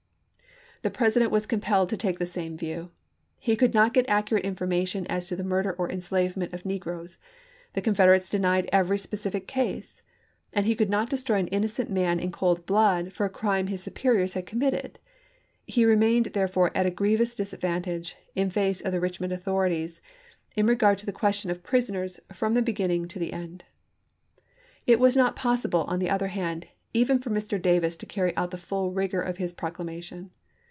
The President was compelled to take the same view. He could not get accurate information as to the murder or enslavement of negroes ; the Con federates denied every specific case ; and he could not destroy an innocent man in cold blood for a crime his superiors had committed. He remained, therefore, at a grievous disadvantage, in face of the Richmond authorities, in regard to the question of prisoners, from the beginning to the end. It was not possible, on the other hand, even for Mr. Davis to carry out the full rigor of his procla mation.